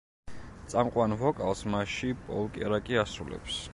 წამყვან ვოკალს მასში პოლ კერაკი ასრულებს.